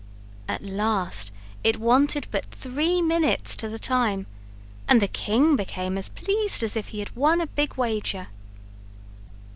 At last it wanted but three minutes to the time and the king became as pleased as if he had won a big wager.